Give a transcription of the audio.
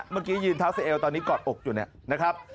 ตอนนี้ยืนท้าเซเอลตอนนี้กอดอกอยู่นะครับ